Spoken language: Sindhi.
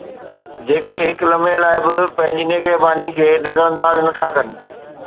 جيڪي هڪ لمحي لاءِ به پنهنجي نگهباني کي نظرانداز نٿا ڪن